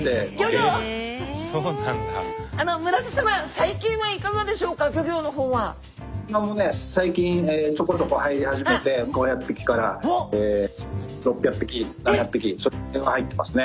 ☎グルクマもね最近ちょこちょこ入り始めて５００匹から６００匹７００匹それくらいは入ってますね。